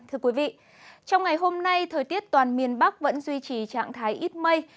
trong ngày hôm nay thời tiết toàn miền bắc vẫn duy trì trạng thái ít mây